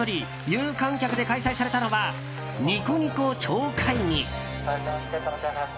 有観客で開催されたのはニコニコ超会議。